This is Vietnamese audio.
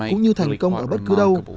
cũng như thành công ở bất cứ đâu